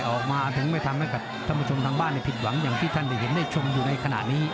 ออกมาถึงไม่ทำให้กับท่านผิดหวังอย่างที่ท่านเห็นได้ชมอยู่ในขณะนี้